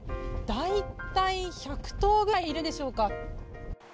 大体、１００頭ぐらいいるでしょうか。